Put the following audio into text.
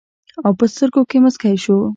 او پۀ سترګو کښې مسکے شو